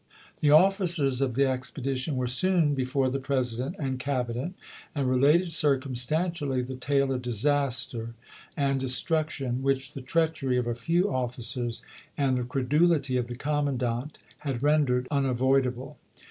The officers of the expedition were soon before the President and Cabinet, and related circumstantially the tale of disaster and destruc tion which the treachery of a few officers and the credulity of the commandant had rendered un avoidable.